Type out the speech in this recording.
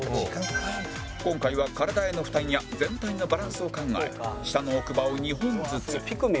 今回は体への負担や全体のバランスを考え下の奥歯を２本ずつ